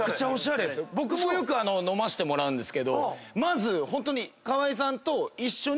僕もよく飲ませてもらうんですけどまず河井さんと一緒に。